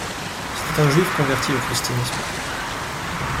C'était un Juif converti au christianisme.